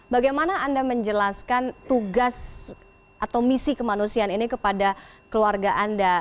bagaimana anda menjelaskan tugas atau misi kemanusiaan ini kepada keluarga anda